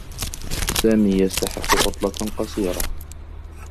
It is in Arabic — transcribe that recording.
سامي يستحقّ عطلة قصيرة.